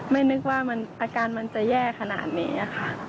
ไม่นึกว่าอาการมันจะแย่ขนาดนี้ค่ะ